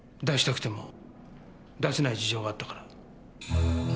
出したくても出せない事情があったから。